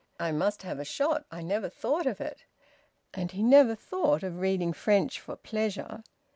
"I must have a shot, I never thought of it." And he never thought of reading French for pleasure.